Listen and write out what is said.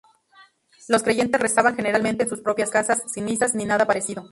Los creyentes rezaban generalmente en sus propias casas, sin misas ni nada parecido.